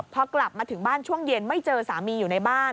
พอกลับมาถึงบ้านช่วงเย็นไม่เจอสามีอยู่ในบ้าน